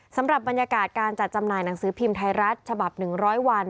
สำหรับบรรยากาศการจัดจำหน่ายหนังสือพิมพ์ไทยรัฐฉบับ๑๐๐วัน